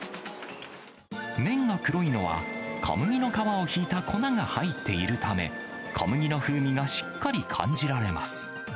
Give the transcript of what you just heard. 麺が黒いのは、小麦の皮を引いた粉が入っているため、小麦の風味がしっかり感じられます。